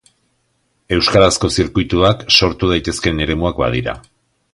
Euskarazko zirkuituak sortu daitezkeen eremuak badira.